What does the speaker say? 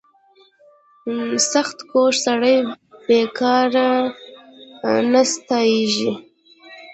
• سختکوش سړی بېکاره نه ناستېږي.